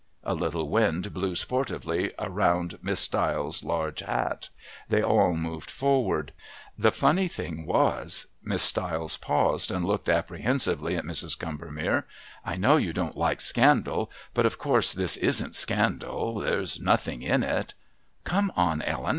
A little wind blew sportively around Miss Stiles' large hat. They all moved forward. "The funny thing was " Miss Stiles paused and looked apprehensively at Mrs. Combermere. "I know you don't like scandal, but of course this isn't scandal there's nothing in it " "Come on, Ellen.